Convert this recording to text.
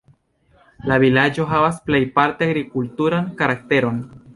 La vilaĝo havas plejparte agrikulturan karakteron.